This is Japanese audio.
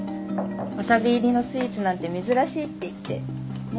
わさび入りのスイーツなんて珍しいっていって。ね？